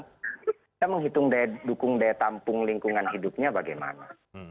kita menghitung dukung daya tampung lingkungan hidupnya bagaimana